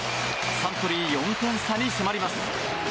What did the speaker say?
サントリー４点差に迫ります。